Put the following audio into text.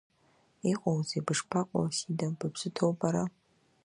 Иҟоузеи, бышԥаҟоу, Асида, быԥсы ҭоу бара?